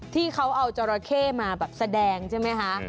ที่เขาเอาจราเข้มาแบบแสดงใช่ไหมคะ